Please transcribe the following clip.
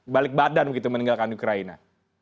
balik badan begitu meninggalkan ukraina